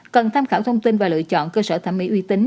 cần tham khảo thông tin và lựa chọn cơ sở thẩm mỹ uy tín